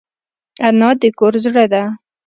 انا د کور زړه ده